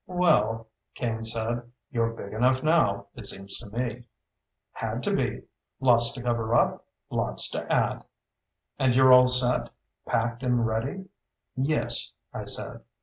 "Well," Kane said. "You're big enough now, it seems to me." "Had to be. Lots to cover up. Lots to add." "And you're all set? Packed and ready?" "Yes," I said.